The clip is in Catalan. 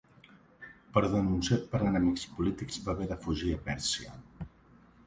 Però denunciat per enemics polítics va haver de fugir a Pèrsia.